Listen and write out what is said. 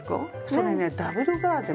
それねダブルガーゼ。